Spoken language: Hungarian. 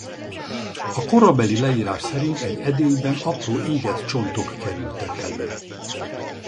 A korabeli leírás szerint egy edényben apró égett csontok kerültek elő.